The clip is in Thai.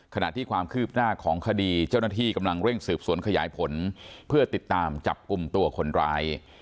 ขณะที่ความคืบหน้าของคดีเจ้าหน้าที่กำลังเร่งสืบสวนขยายผลเพื่อติดตามจับกลุ่มตัวคนร้าย